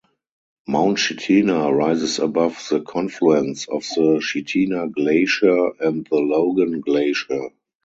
Mount Chitina rises above the confluence of the Chitina Glacier and the Logan Glacier.